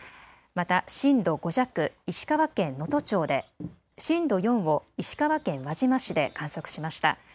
また震度５弱、石川県能登町で、震度４を石川県輪島市で観測しました。